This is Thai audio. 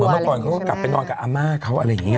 เมื่อก่อนเขาก็กลับไปนอนกับอาม่าเขาอะไรอย่างนี้